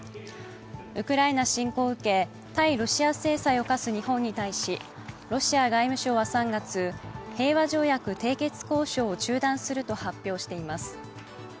ウクライナ侵攻を受け対ロシア制裁を科す日本に対しロシア外務省は３月平和条約締結交渉を中断すると発表しています。